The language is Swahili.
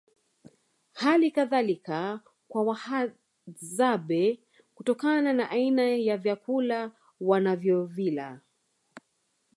Hali kadhalika kwa Wahadzabe kutokana na aina ya vyakula wanavyovila